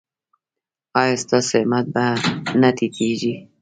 ایا ستاسو همت به نه ټیټیږي؟